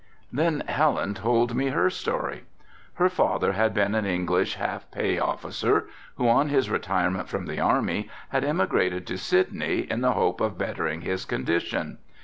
Then Helen told me her story. Her father had been an English half pay officer, who on his retirement from the army had emigrated to Sydney in the hope of bettering his condition.